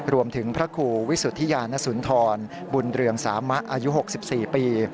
รวมถึงพระครูวิสุทธิยานสุนทรบุญเรืองสามะอายุ๖๔ปี